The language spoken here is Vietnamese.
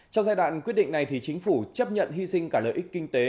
trong giai đoạn quyết định này thì chính phủ chấp nhận hy sinh cả lợi ích kinh tế